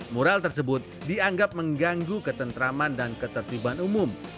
mural tersebut dianggap mengganggu ketentraman dan ketertiban umum